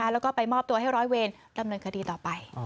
แล้วก็ไปมอบตัวให้ร้อยเวรดำเนินคดีต่อไป